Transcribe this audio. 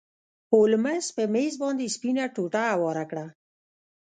هولمز په میز باندې سپینه ټوټه هواره کړه.